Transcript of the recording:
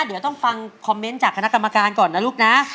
เดี๋ยวต้องฟังคอมเมนต์จากคณะกรรมการก่อนนะลูกนะ